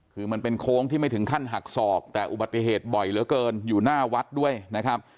คือมันเป็นโค้งที่ไม่ถึงขั้นหักศอกแต่อุบัติเหตุบ่อยเหลือเกินอยู่หน้าวัดด้วยนะครับ